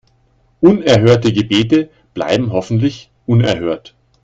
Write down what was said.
Unerhörte Gebete bleiben hoffentlich unerhört.